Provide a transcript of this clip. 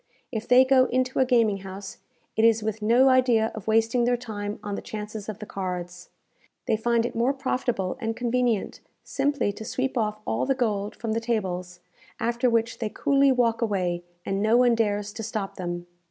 If they go into a gaming house, it is with no idea of wasting their time on the chances of the cards. They find it more profitable and convenient simply to sweep off all the gold from the tables, after which they coolly walk away, and no one dares to stop them.